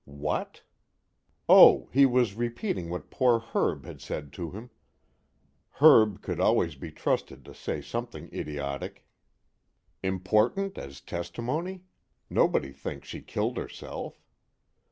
What? Oh he was repeating what poor Herb had said to him. Herb could always be trusted to say something idiotic. _Important as testimony? nobody thinks she killed herself.